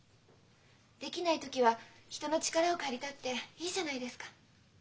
できない時は人の力を借りたっていいじゃないですか。